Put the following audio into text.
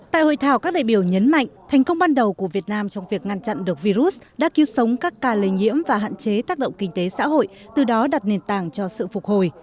tại hội thảo các đại biểu nhấn mạnh thành công ban đầu của việt nam trong việc ngăn chặn được virus đã cứu sống các ca lây nhiễm và hạn chế tác động kinh tế xã hội từ đó đặt nền tảng cho sự phục hồi